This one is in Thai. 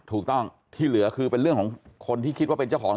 ถูกต้องที่เหลือคือเป็นเรื่องของคนที่คิดว่าเป็นเจ้าของ